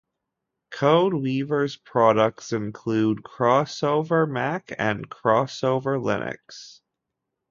CodeWeaver's products include CrossOver Mac and CrossOver Linux.